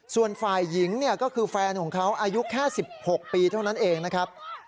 ส่วนฝ่ายหญิงเนี่ยก็คือแฟนของเขาอายุแค่๑๖ปีเท่านั้นเองนะครับ